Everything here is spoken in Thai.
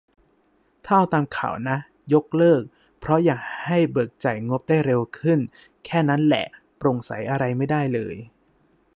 ถ้าเอาตามข่าวนะ ยกเลิก เพราะอยากให้ เบิกจ่ายงบได้เร็วขึ้น แค่นั้นแหละ โปร่งใสอะไรไม่ได้เอ่ย